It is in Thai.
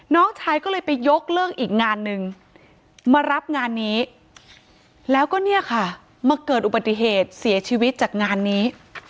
น้องชายก็เลยไปยกเลิกอีกงานนึงมารับงานนี้แล้วก็เนี่ยค่ะมาเกิดอุบัติเหตุเสียชีวิตจากงานนี้